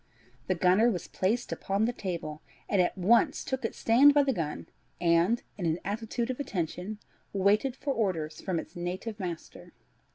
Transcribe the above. The gunner was placed upon the table, and at once took its stand by the gun, and, in an attitude of attention, waited for orders from its native master.